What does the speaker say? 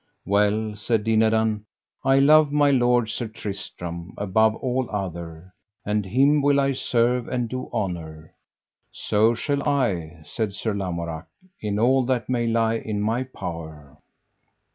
Well, said Dinadan, I love my lord Sir Tristram, above all other, and him will I serve and do honour. So shall I, said Sir Lamorak, in all that may lie in my power.